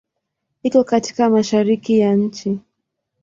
Iko katika Mashariki ya nchi.